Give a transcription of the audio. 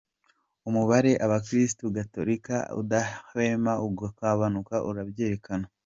Umubare abakristu gatolika udahwema kugabanuka urabyerekana.